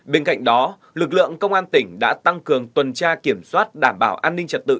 bên cạnh đó lực lượng công an tỉnh đã tăng cường tuần tra kiểm soát đảm bảo an ninh trật tự